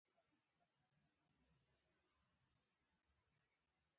مړه د خپلو اولادونو دعا ته اړتیا لري